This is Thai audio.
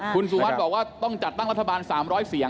คุณสุวัสดิ์บอกว่าต้องจัดตั้งรัฐบาล๓๐๐เสียง